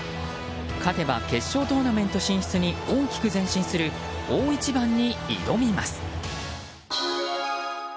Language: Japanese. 勝てば決勝トーナメント進出に大きく前進する大一番に挑みます。